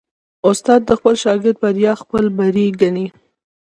استاد د خپل شاګرد بریا خپل بری ګڼي.